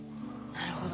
なるほど。